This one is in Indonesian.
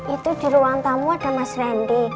itu di ruang tamu ada mas randy